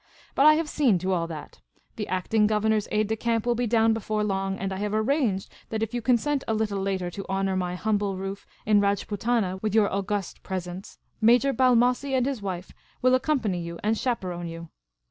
" But I have seen to all that. The Acting 240 Miss Cayley's Adventures Governor's aide de camp will be down before long, and I have arranged that if you consent a little later to honour my humble roof in Rajputana with your august presence, Major Balmossie and his wife will accompany 3'ou and chaperon you.